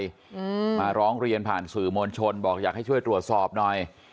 อืมมาร้องเรียนผ่านสื่อมวลชนบอกอยากให้ช่วยตรวจสอบหน่อย